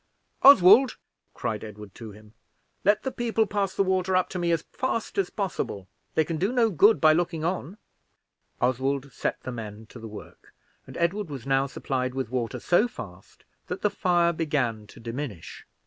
"Oswald," cried Edward to him, "let the people pass the water up to me as fast as possible. They can do no good looking on." Oswald set the men to work, and Edward was now supplied with water so fast that the fire began to diminish.